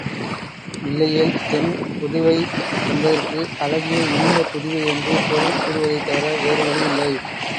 இல்லையேல், தென் புதுவை என்பதற்கு அழகிய இனிய புதுவை என்று பொருள் கூறுவதைத் தவிர வேறு வழியில்லை.